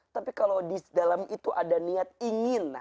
tapi kalau di dalam itu ada niat ingin